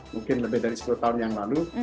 mungkin lebih dari sepuluh tahun yang lalu